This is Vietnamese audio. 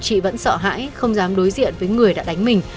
chị vẫn sợ hãi không dám đối diện với người đã đánh mình